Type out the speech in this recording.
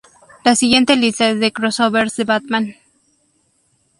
La siguiente lista es de crossovers de Batman